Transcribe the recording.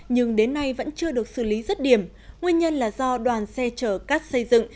nhưng đến nay vẫn chưa được xử lý rứt điểm nguyên nhân là do đoàn xe chở cắt xây dựng